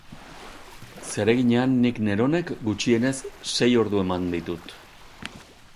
Zereginean nik neronek gutxienez sei ordu eman ditut.